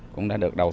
cũng đã được đầu tư